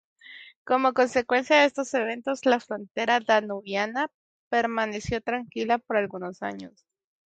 Como consecuencia de estos eventos, la frontera danubiana permaneció tranquila por algunos años.